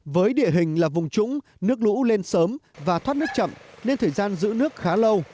với địa hình là vùng trũng nước lũ lên sớm và thoát nước chậm nên thời gian giữ nước khá lâu